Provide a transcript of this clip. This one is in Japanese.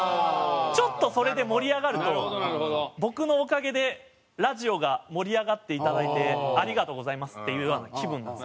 ちょっとそれで盛り上がると僕のおかげでラジオが盛り上がっていただいてありがとうございますっていう気分なんですよ。